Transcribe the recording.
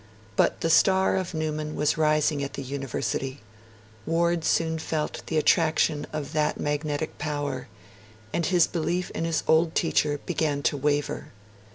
But the star of Newman was rising at the University; Ward soon felt the attraction of that magnetic power; and his belief in his old teacher began to waver.